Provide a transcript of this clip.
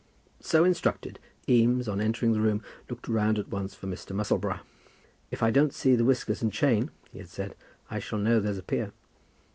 So instructed, Eames, on entering the room, looked round at once for Mr. Musselboro. "If I don't see the whiskers and chain," he had said, "I shall know there's a Peer."